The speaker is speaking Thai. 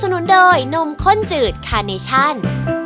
สวัสดีครับเชฟฟังครับ